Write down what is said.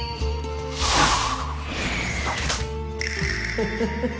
フフフフフ。